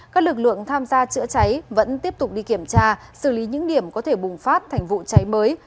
các lực lượng tham gia chữa cháy vẫn tiếp tục đi kiểm tra xử lý những điểm có thể bùng phát thành vụ cháy mới